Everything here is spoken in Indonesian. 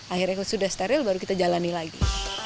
akhirnya sudah steril baru kita jalani lagi